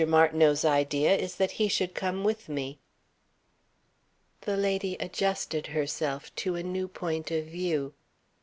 Martineau's idea is that he should come with me." The lady adjusted herself to a new point of view.